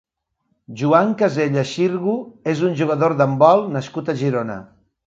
Joan Casellas Xirgu és un jugador d'handbol nascut a Girona.